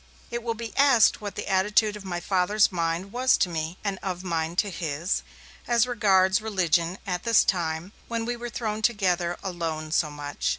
It will be asked what the attitude of my Father's mind was to me, and of mine to his, as regards religion, at this time, when we were thrown together alone so much.